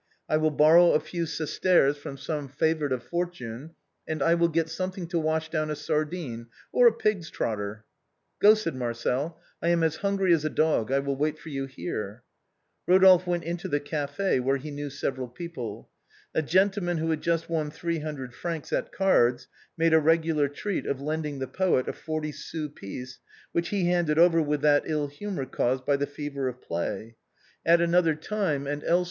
I will borrow a few sesterces from some favorite of fortune, and I will get something to wash down a sardine or a pig's trotter." " Go," said Marcel ;" I am as hungry as a dog. I will wait for you here." Eodolphe went into the café where he knew several peo ple. A gentleman who had just won three hundred francs at cards, made a regular treat of lending the poet a forty sous piece, which he handed over with that ill humor caused by the fever of play. At another time and else 318 THE BOHEMIANS OF THE LATIN QUARTER.